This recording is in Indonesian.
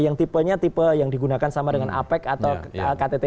yang tipenya tipe yang digunakan sama dengan apec atau ktt